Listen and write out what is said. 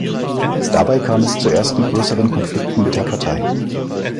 Dabei kam es zu ersten größeren Konflikten mit der Partei.